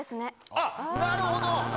あっ、なるほど。